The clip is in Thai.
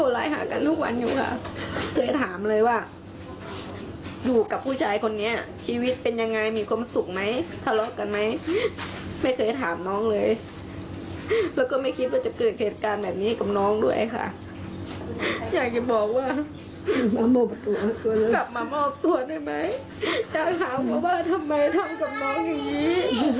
แล้วหลานจะอยู่ยังไงฟังเสียงพี่สาวของตัวเองตายไปแบบนี้แล้วหลานจะอยู่ยังไง